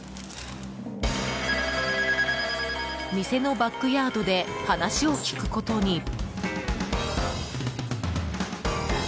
店のバックヤードで話を聞くことに。